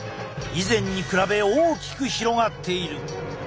以前に比べ大きく広がっている。